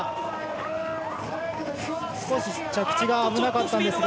少し着地が危なかったんですが。